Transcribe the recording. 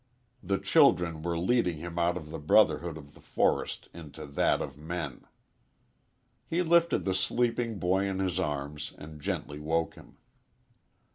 The children were leading him out of the brotherhood of the forest into that of men. He lifted the sleeping boy in his arms and gently woke him.